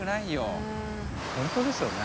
本当ですよね。